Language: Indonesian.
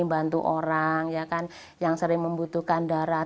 membantu orang ya kan yang sering membutuhkan darah